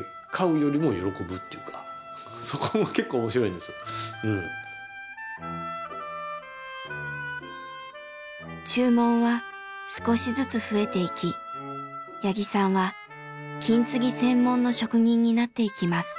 なんていうか注文は少しずつ増えていき八木さんは金継ぎ専門の職人になっていきます。